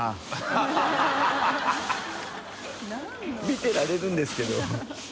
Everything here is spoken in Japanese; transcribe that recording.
見てられるんですけど。